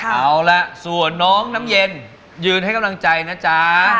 เอาล่ะส่วนน้องน้ำเย็นยืนให้กำลังใจนะจ๊ะ